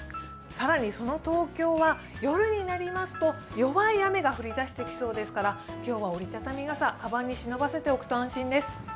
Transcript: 更にその東京は夜になりますと、弱い雨が降りだしてきそうですから今日は折りたたみ傘、かばんにしのばせておくと安心です。